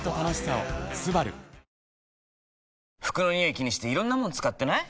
気にしていろんなもの使ってない？